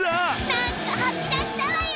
なんかはき出したわよ。